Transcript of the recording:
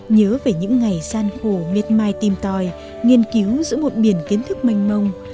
nhớ về những ngày gian khổ miệt mai tìm tòi nghiên cứu giữa một biển kiến thức manh mông